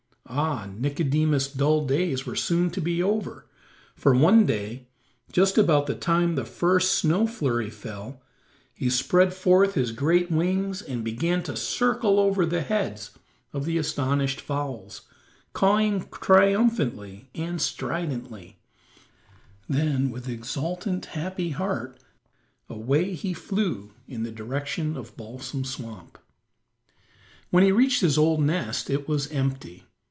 Ah, Nicodemus' dull days were soon to be over, for one day, just about the time the first snow flurry fell, he spread forth his great wings and began to circle over the heads of the astonished fowls, cawing triumphantly and stridently; then, with exultant, happy heart, away he flew in the direction of Balsam Swamp. When he reached his old nest it was empty.